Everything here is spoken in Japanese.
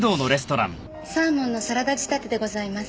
サーモンのサラダ仕立てでございます。